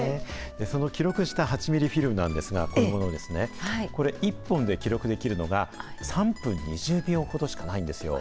その記録した８ミリフィルムなんですが、これですね、これ一本で記録できるのが３分２０秒ほどしかないんですよ。